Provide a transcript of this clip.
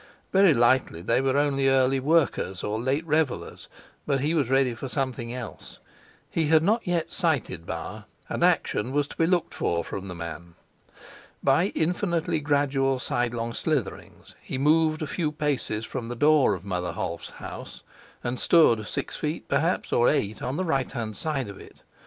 Very likely they were only early workers or late revelers, but he was ready for something else; he had not yet sighted Bauer, and action was to be looked for from the man. By infinitely gradual sidelong slitherings he moved a few paces from the door of Mother Holf's house, and stood six feet perhaps, or eight, on the right hand side of it.